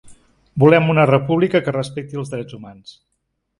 Volem una república que respecti els drets humans.